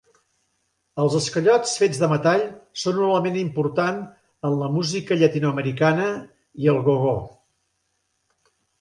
Els esquellots fets de metall són un element important en la música llatinoamericana i el go-go.